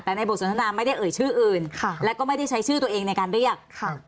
แต่ในบทสนทนาไม่ได้เอ่ยชื่ออื่นแล้วก็ไม่ได้ใช้ชื่อตัวเองในการเรียก